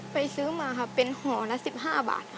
ซื้อมาค่ะเป็นห่อละ๑๕บาทค่ะ